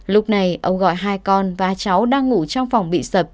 lúc này ông gọi hai con và cháu đang ngủ trong phòng bị sập